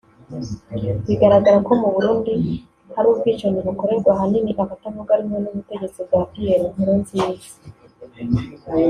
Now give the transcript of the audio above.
bigaragaza ko mu Burundi hari ubwicanyi bukorerwa ahanini abatavuga rumwe n’ubutegetsi bwa Pierre Nkurunziza